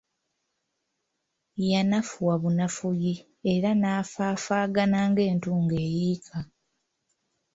Yanafuwa bunafuyi, era nafaafaagana ng'entungo eyiika.